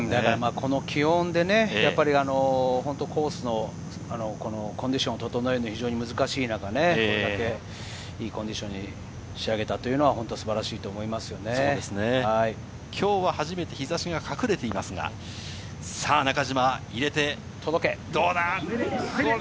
この気温でコースのコンディションを整えるのが難しい中、これだけ、いいコンディションに仕上げたというのはきょうは初めて、日差しが隠れていますが、中島、入れて、どうだ？